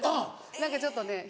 何かちょっとね